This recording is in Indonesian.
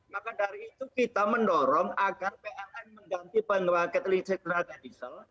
maka dari itu kita mendorong agar pln mengganti pembangkit listrik tenaga diesel